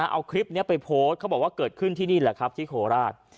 เอาคลิปนี้ไปโพสต์เขาบอกว่าเกิดขึ้นที่นี่แหละครับที่โคราช